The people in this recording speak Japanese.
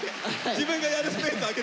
自分がやるスペース空けてください。